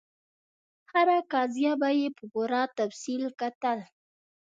هره قضیه به یې په پوره تفصیل کتل.